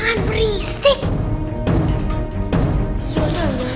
pak rete boleh gak